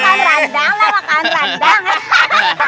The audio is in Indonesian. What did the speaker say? lama kangen randang